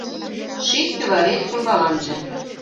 Ший кӱварет ӱмбаланже